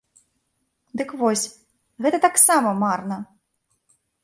Дык вось, гэта таксама марна!